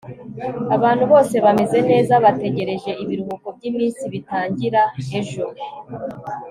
Abantu bose bameze neza bategereje ibiruhuko byiminsi bitangira ejo